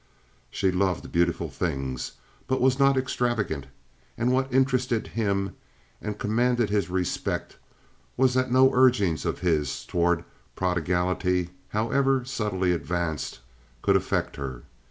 She loved beautiful things, but was not extravagant; and what interested him and commanded his respect was that no urgings of his toward prodigality, however subtly advanced, could affect her.